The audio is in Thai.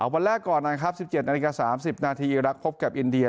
วันแรกก่อนนะครับ๑๗นาฬิกา๓๐นาทีอีรักษ์พบกับอินเดีย